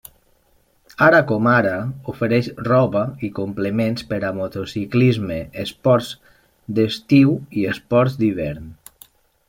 Ara com ara, ofereix roba i complements per a motociclisme, esports d'estiu i esports d'hivern.